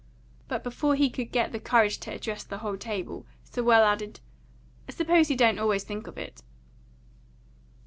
But before he could get the courage to address the whole table, Sewell added, "I suppose he don't always think of it."